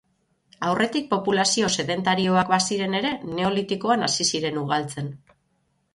Aurretik populazio sedentarioak baziren ere, Neolitikoan hasi ziren ugaltzen.